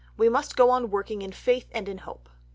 We must go on working in faith and in hope.